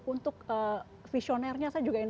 untuk visionernya saya juga yang